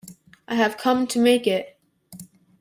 I have come to make it.